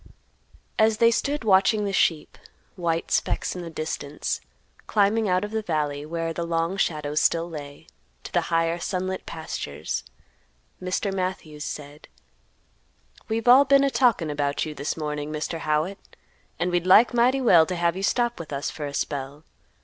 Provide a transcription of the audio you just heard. As they stood watching the sheep—white specks in the distance—climbing out of the valley where the long shadows still lay, to the higher, sunlit pastures, Mr. Matthews said, "We've all been a talkin' about you this mornin', Mr. Howitt, and we'd like mighty well to have you stop with us for a spell.